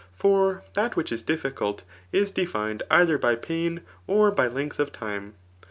For that which is dif&colt is defined either by pain, or by length of time.